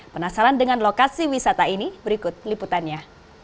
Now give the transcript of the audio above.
penasaran dengan lokasi wisata ini berikut liputannya